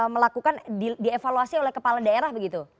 melakukan dievaluasi oleh kepala daerah begitu